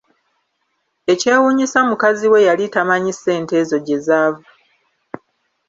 Ekyewuunyisa mukazi we yali tamanyi ssente ezo gye zaava!